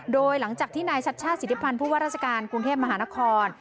โดยหลังจากที่นายชัชชาติสิทธิพันธ์ผู้ว่าราชการกรุงเทพมหานคร